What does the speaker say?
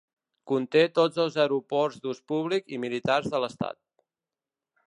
Conté tots els aeroports d'ús públic i militars de l'estat.